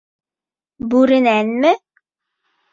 Бүренәнме?